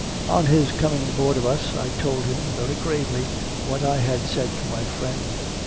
On his coming aboard of us, I told him, very gravely, what I had said to my friend.